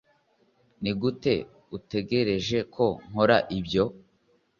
nigute utegereje ko nkora ibyo